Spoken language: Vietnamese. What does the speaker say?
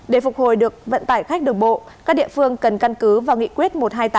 để phục hồi được vận tải khách đường bộ các địa phương cần căn cứ vào nghị quyết một trăm hai mươi tám